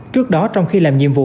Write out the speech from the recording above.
trước đó trong khi làm nhiệm vụ